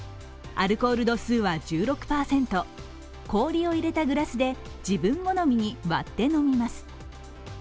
アルコール度数は１６％、氷を入れたグラスで自分好みに割って飲みます。